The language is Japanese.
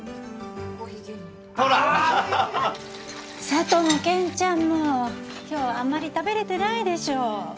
佐都も健ちゃんも今日はあんまり食べれてないでしょ。